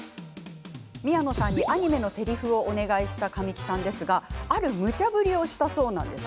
宮野さんにアニメのせりふをお願いした神木さんある、むちゃぶりをしたんだそうです。